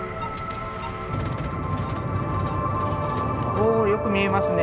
おおよく見えますね